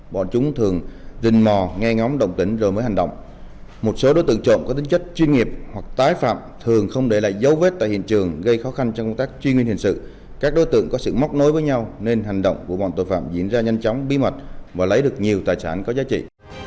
bọn chúng thường rình mò nghe ngóng động tỉnh rồi mới hành động một số đối tượng trộm có tính chất chuyên nghiệp hoặc tái phạm thường không để lại dấu vết tại hiện trường gây khó khăn trong công tác chuyên nguyên hiện sự các đối tượng có sự móc nối với nhau nên hành động của bọn tội phạm diễn ra nhanh chóng bí mật và lấy được nhiều tài sản có giá trị